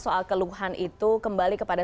soal keluhan itu kembali kepada